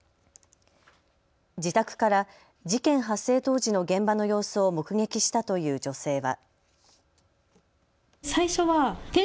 自宅から事件発生当時の現場の様子を目撃したという女性は。